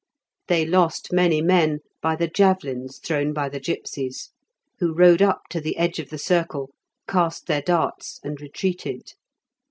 They lost many men by the javelins thrown by the gipsies, who rode up to the edge of the circle, cast their darts, and retreated.